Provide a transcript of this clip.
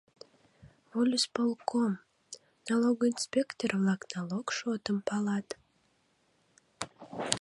Волисполком, налогоинспектор-влак налог шотым палат.